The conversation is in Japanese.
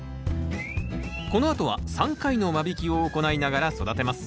このあとは３回の間引きを行いながら育てます。